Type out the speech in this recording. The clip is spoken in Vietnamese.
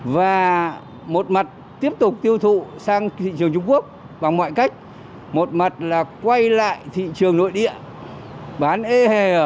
và nó ảnh hưởng đến thị trường như thế nào ạ